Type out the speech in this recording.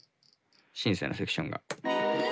シンセのセクションが。